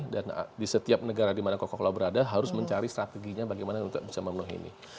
dan di setiap negara di mana coca cola berada harus mencari strateginya bagaimana untuk bisa memenuhi ini